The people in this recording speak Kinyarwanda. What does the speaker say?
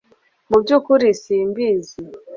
mu byukuri simbizi